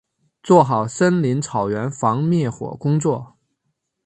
做好森林草原防灭火工作